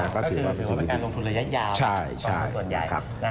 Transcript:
ก็คือเป็นการลงทุนระยะยาวตอนทุนส่วนใหญ่